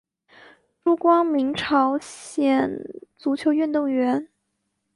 朱光民朝鲜足球运动员。